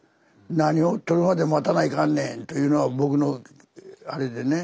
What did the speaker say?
「何をとるまで待たないかんねん」というのは僕のあれでね。